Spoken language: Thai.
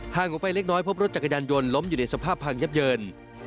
ออกไปเล็กน้อยพบรถจักรยานยนต์ล้มอยู่ในสภาพพังยับเยิน